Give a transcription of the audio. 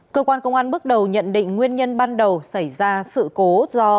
cơ quan công an bước đầu nhận định nguyên nhân ban đầu xảy ra sự cố do